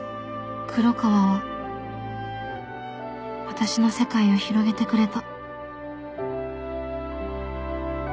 黒川は私の世界を広げてくれた